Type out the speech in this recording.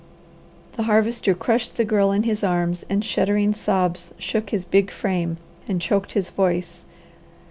The Harvester crushed the Girl in his arms and shuddering sobs shook his big frame, and choked his voice.